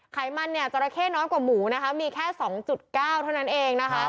ไขมันจระเข้น้อยกว่าหมูมีแค่๒๙ตัวนั้นเอง